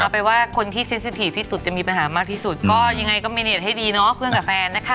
เอาไปว่าคนที่สิทธิ์ที่สุดจะมีปัญหามากที่สุดก็ยังไงก็ให้ดีเนอะเพื่อนกับแฟนนะคะครับ